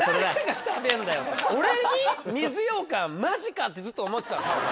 マジか！」ってずっと思ってたの。